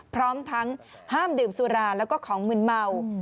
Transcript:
พร้อมทั้งห้ามดื่มสุราแล้วก็ของมืนเมา